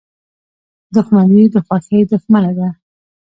• دښمني د خوښۍ دښمنه ده.